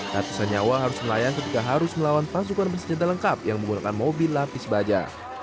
ratusan nyawa harus melayang ketika harus melawan pasukan bersenjata lengkap yang menggunakan mobil lapis baja